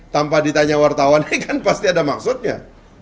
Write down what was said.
tanpa ditanya wartawan ini kan pasti ada maksudnya